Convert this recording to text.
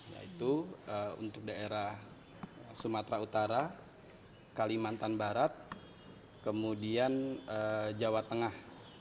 yaitu untuk daerah sumatera utara kalimantan barat kemudian jawa tengah